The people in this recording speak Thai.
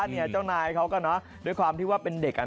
เนี่ยเจ้านายเขาก็เนอะด้วยความที่ว่าเป็นเด็กอ่ะ